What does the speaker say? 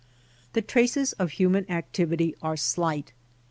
The traces of human activity are slight.